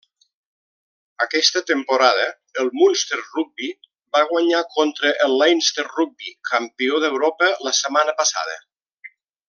Aquesta temporada el Munster Rugby va guanyar contra Leinster Rugby, campió d'Europa la setmana passada.